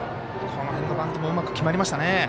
この辺のバントもうまく決まりました。